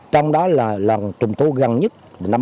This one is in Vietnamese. trong đó là lần trùng thu gần nhất